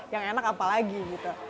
yang enak apa lagi gitu